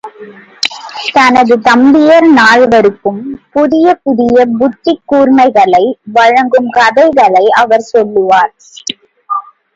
தனது தம்பியர் நால்வருக்கும் புதிய புதிய புத்திக் கூர்மைகளை வழங்கும் கதைகளை அவர் சொல்லுவார்.